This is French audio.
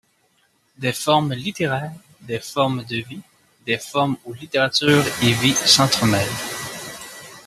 Des formes littéraires, des formes de vie, des formes où littérature et vie s'entremêlent.